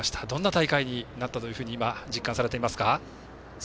どんな大会になったというふうに実感されていますか？